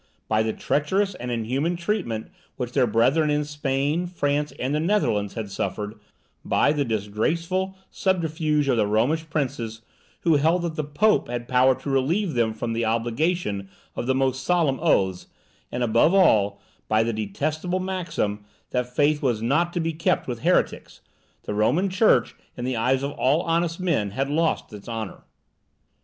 By the treacherous and inhuman treatment which their brethren in Spain, France, and the Netherlands, had suffered; by the disgraceful subterfuge of the Romish princes, who held that the Pope had power to relieve them from the obligation of the most solemn oaths; and above all, by the detestable maxim, that faith was not to be kept with heretics, the Roman Church, in the eyes of all honest men, had lost its honour.